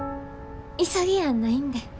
急ぎやないんで。